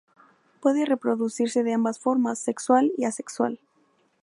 Puede reproducirse de ambas formas, sexual y asexual.